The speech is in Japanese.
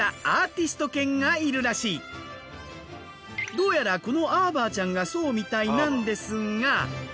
どうやらこのアーバーちゃんがそうみたいなんですが。